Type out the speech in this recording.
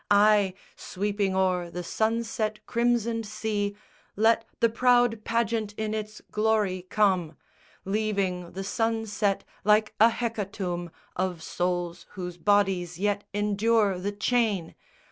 Ay, sweeping o'er the sunset crimsoned sea Let the proud pageant in its glory come, Leaving the sunset like a hecatomb Of souls whose bodies yet endure the chain!